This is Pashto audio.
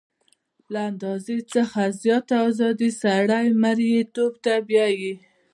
له اندازې څخه زیاته ازادي سړی مرییتوب ته بیايي.